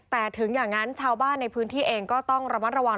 แต่ถึงอย่างนั้นชาวบ้านในพื้นที่เองก็ต้องระมัดระวัง